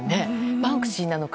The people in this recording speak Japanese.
バンクシーなのか